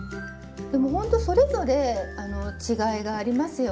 でもほんとそれぞれ違いがありますよね。